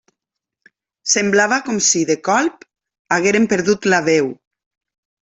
Semblava com si, de colp, hagueren perdut la veu.